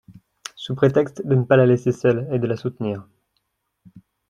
sous prétexte de ne pas la laisser seule et de la soutenir.